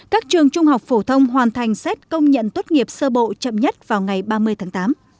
các trường trung học phổ thông hoàn thành xét công nhận tốt nghiệp sơ bộ chậm nhất vào ngày ba mươi tháng tám